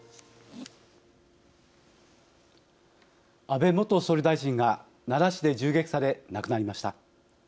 安倍元総理大臣が奈良市で銃撃され亡くなりました。